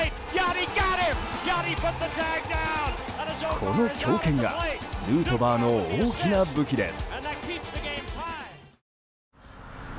この強肩がヌートバーの大きな武器です。